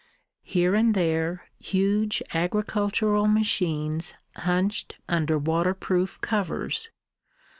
Here and there huge agricultural machines hunched under waterproof covers.